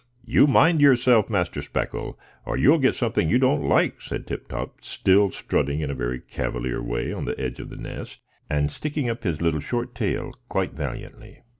"You mind yourself, Master Speckle, or you'll get something you don't like," said Tip Top, still strutting in a very cavalier way on the edge of the nest, and sticking up his little short tail quite valiantly.